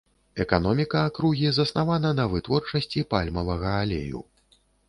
Эканоміка акругі заснавана на вытворчасці пальмавага алею.